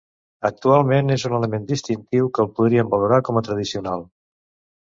Actualment, és un element distintiu que el podríem valorar com a tradicional.